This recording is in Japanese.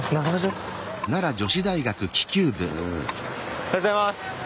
おはようございます。